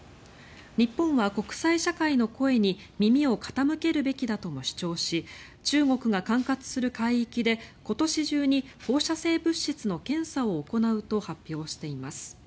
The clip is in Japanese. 日本は国際社会の声に耳を傾けるべきだとも主張し中国が管轄する海域で今年中に放射性物質の検査を行うと発表しています。